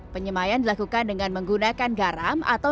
penyemayan dilakukan dengan menggunakan garam atau